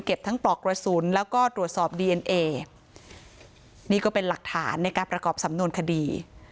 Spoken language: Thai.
ทั้งปลอกกระสุนแล้วก็ตรวจสอบดีเอ็นเอนี่ก็เป็นหลักฐานในการประกอบสำนวนคดี